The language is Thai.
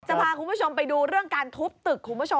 จะพาคุณผู้ชมไปดูเรื่องการทุบตึก